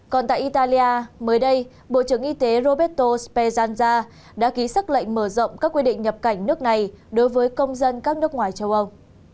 còn tại italia mới đây bộ trưởng y tế roberto spejanza đã ký xác lệnh mở rộng các quy định nhập cảnh nước này đối với công dân các nước ngoài châu âu